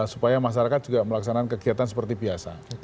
supaya masyarakat juga melaksanakan kegiatan seperti biasa